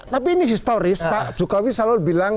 tapi ini historis pak jokowi selalu bilang